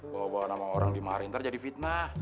kalo bawa nama orang di mariner jadi fitnah